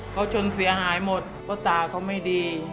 เขาจนเสียหายหมดเพราะตาเขาไม่ดี